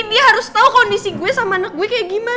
dia harus tahu kondisi gue sama anak gue kayak gimana